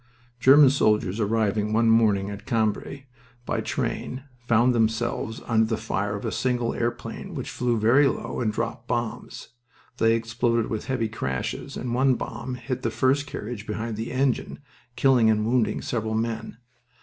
German soldiers arriving one morning at Cambrai by train found themselves under the fire of a single airplane which flew very low and dropped bombs. They exploded with heavy crashes, and one bomb hit the first carriage behind the engine, killing and wounding several men.